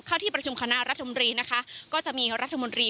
ที่ประชุมคณะรัฐมนตรีนะคะก็จะมีรัฐมนตรี